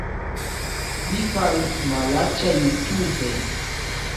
Mi faris malaĉa jutube